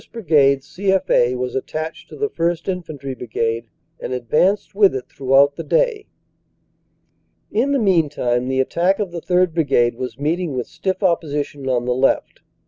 Brigade C.F.A. was attached to the 1st. Infantry Brigade, and advanced with it throughout the day. "In the meantime the attack of the 3rd. Brigade was meet ing with stiff opposition on the left.